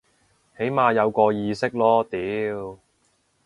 起碼有個意識囉屌